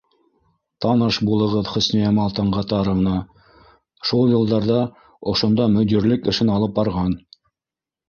Таныш булығыҙ, Хөсниямал Таңғатаровна, шул йылдарҙа ошонда мөдирлек эшен алып барған.